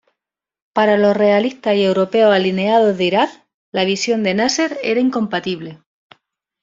Para los realistas y europeos alineados de Irak, la visión de Nasser era incompatible.